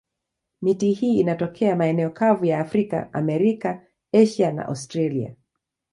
Miti hii inatokea maeneo kavu ya Afrika, Amerika, Asia na Australia.